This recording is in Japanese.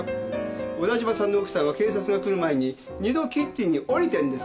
小田嶋さんの奥さんは警察が来る前に二度キッチンに下りてんです。